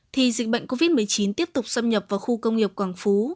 thì dịch bệnh covid một mươi chín tiếp tục xâm nhập vào khu công nghiệp quảng phú